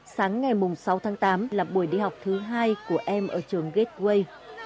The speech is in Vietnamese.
sáng ngày sáu tháng tám là buổi đi học thứ hai của em ở trường gateway